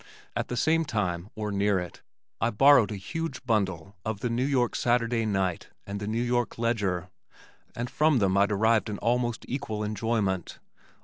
At the same time or near it I borrowed a huge bundle of The New York Saturday Night and The New York Ledger and from them I derived an almost equal enjoyment.